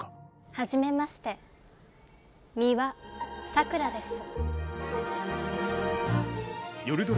はじめまして美羽さくらです。